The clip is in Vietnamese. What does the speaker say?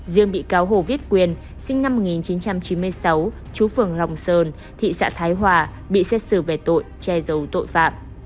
riêng bị cáo hồ viết quyền sinh năm một nghìn chín trăm chín mươi sáu chú phường long sơn thị xã thái hòa bị xét xử về tội che giấu tội phạm